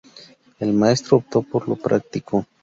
El maestro optó por lo práctico.